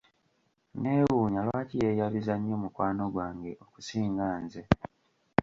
Neewuunya lwaki yeeyabiza nnyo mukwano gwange okusinga nze.